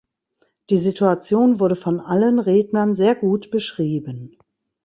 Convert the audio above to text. Die Situation wurde von allen Rednern sehr gut beschrieben.